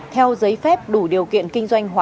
theo giấy phép đủ điều kiện kinh doanh hóa